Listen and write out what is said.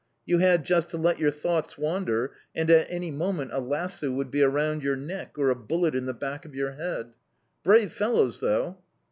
You had just to let your thoughts wander and at any moment a lasso would be round your neck or a bullet in the back of your head! Brave fellows, though!"...